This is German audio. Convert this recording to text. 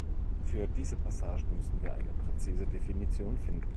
Für diese Passagen müssen wir eine präzise Definition finden.